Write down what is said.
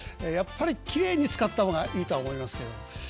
やっぱりきれいに使った方がいいとは思いますけれども。